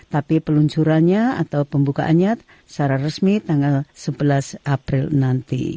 tapi peluncurannya atau pembukaannya secara resmi tanggal sebelas april nanti